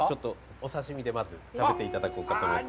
お刺身でまず食べていただこうかと思って。